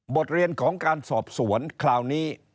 บทเรียนของการสอบสวนคราวนี้